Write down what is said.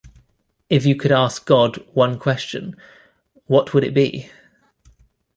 If you could ask God one question, what would it be?